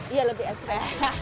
iya lebih ekspresif